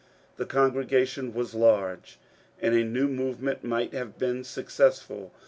The con gregation was large, and a new movement might have been successful.